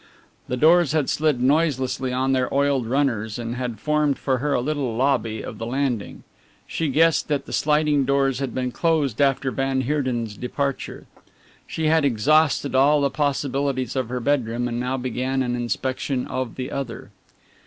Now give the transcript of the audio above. The doors had slid noiselessly on their oiled runners and had formed for her a little lobby of the landing. She guessed that the sliding doors had been closed after van Heerden's departure. She had exhausted all the possibilities of her bedroom and now began an inspection of the other.